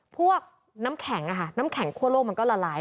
พวกน้ำแข็งน้ำแข็งคั่วโลกมันก็ละลาย